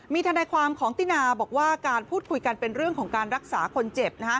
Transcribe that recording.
มีทนายความของตินาบอกว่าการพูดคุยกันเป็นเรื่องของการรักษาคนเจ็บนะฮะ